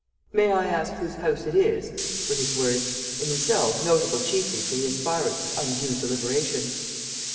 "May I ask whose house it is?" were his words, in themselves notable chiefly for the aspirates of undue deliberation.